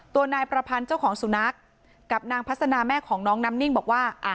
ตัวนายประพันธ์เจ้าของสุนัขกับนางพัฒนาแม่ของน้องน้ำนิ่งบอกว่า